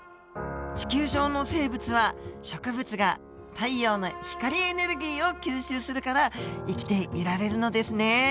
地球上の生物は植物が太陽の光エネルギーを吸収するから生きていられるのですね。